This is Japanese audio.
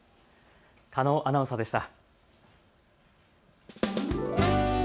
狩野アナウンサーでした。